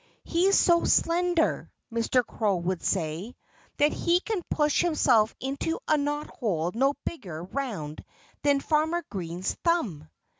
"He's so slender," Mr. Crow would say, "that he can push himself into a knot hole no bigger round than Farmer Green's thumb."